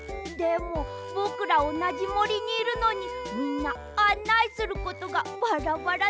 でもぼくらおなじもりにいるのにみんなあんないすることがバラバラだったね。